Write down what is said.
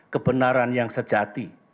kebenaran yang sejati